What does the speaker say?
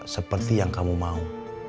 seperti yang kamu mau